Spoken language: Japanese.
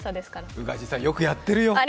宇賀神さん、よくやってるよ